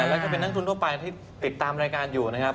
แล้วก็เป็นนักทุนทั่วไปที่ติดตามรายการอยู่นะครับ